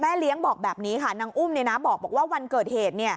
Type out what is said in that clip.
เลี้ยงบอกแบบนี้ค่ะนางอุ้มบอกว่าวันเกิดเหตุ